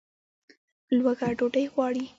لوږه ډوډۍ غواړي